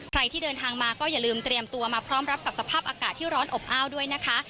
ที่เดินทางมาก็อย่าลืมเตรียมตัวมาพร้อมรับกับสภาพอากาศที่ร้อนอบอ้าวด้วยนะคะ